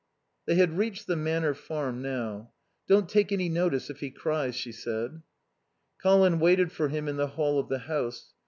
They had reached the Manor Farm now. "Don't take any notice if he cries," she said. Colin waited for him in the hall of the house.